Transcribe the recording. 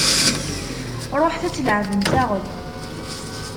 Ruḥet ad tleɛbem saɣel!